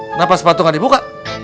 kenapa sepatu gak dibuka